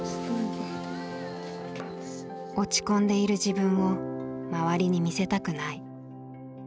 落ち込んでいる自分を周りに見せたくない。